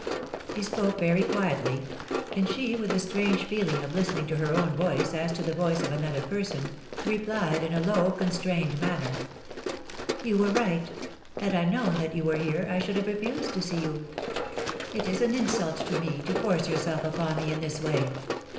He spoke very quietly ; and she, with the strange feeling of listening to her own voice as to the voice of another I>erson, replied in a low, constrained manner : 'You were right. Had I known that you were here, I should have refused to see you. It is an insult to me to force yourself upon me in this way.